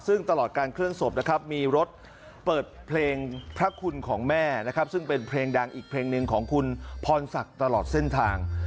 ซึ่งตลอดการเคลื่อนศพนะครับมีรถเปิดเพลงพระคุณของแม่นะครับซึ่งเป็นเพลงดังอีกเพลงหนึ่งของคุณพรศักดิ์ตลอดเส้นทาง